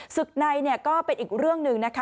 ศึกในก็เป็นอีกเรื่องหนึ่งนะคะ